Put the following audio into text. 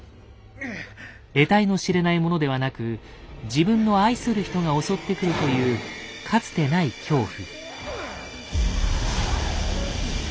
えたいの知れないものではなく自分の愛する人が襲ってくるというかつてない恐怖。